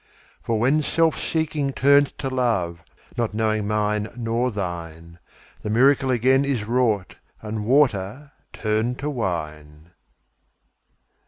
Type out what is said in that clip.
For when self seeking turns to love, Not knowing mine nor thine, The miracle again is wrought, And water turned to wine.